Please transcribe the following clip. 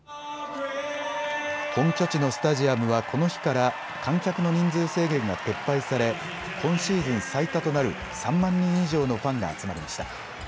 本拠地のスタジアムはこの日から観客の人数制限が撤廃され今シーズン最多となる３万人以上のファンが集まりました。